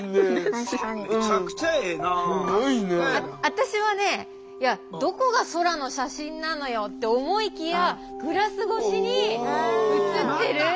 私はねいやどこが空の写真なのよって思いきやグラス越しに映ってる。